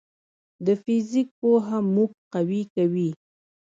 د فزیک پوهه موږ قوي کوي.